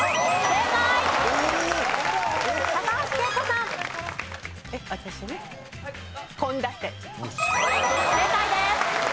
正解です。